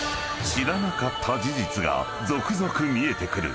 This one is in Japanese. ［知らなかった事実が続々見えてくる］